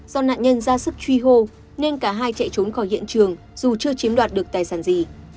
do nạn nhân ra sức truy hô nên cả hai chạy trốn khỏi hiện trường dù chưa chiếm đoạt được tài sản gì